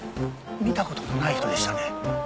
見た事のない人でしたね。